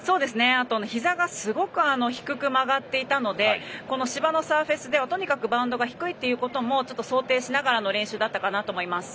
あと、ひざがすごく低く曲がっていたので芝のサーフェスではバウンドが低いということも想定しながらの練習だったと思います。